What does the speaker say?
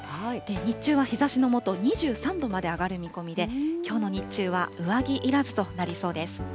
日中は日ざしの下、２３度まで上がる見込みで、きょうの日中は上着いらずとなりそうです。